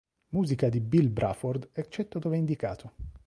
Musica di Bill Bruford eccetto dove indicato.